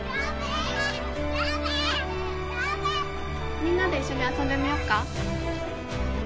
みんなで一緒に遊んでみよっか？